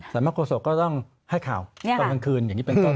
สำนักโฆษกก็ต้องให้ข่าวตอนกลางคืนอย่างนี้เป็นต้น